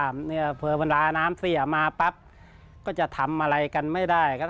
พอเวลาน้ำเสียมาปั๊บก็จะทำอะไรกันไม่ได้ครับ